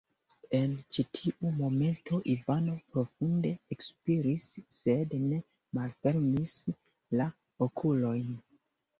En ĉi-tiu momento Ivano profunde ekspiris, sed ne malfermis la okulojn.